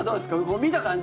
見た感じ